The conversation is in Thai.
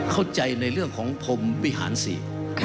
เข้าใจในเรื่องของพรมวิหารสี่